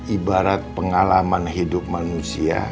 ibarat pengalaman hidup manusia